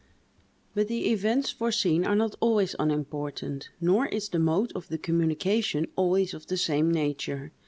But the events foreseen are not always unimportant, nor is the mode of the communication always of the same nature.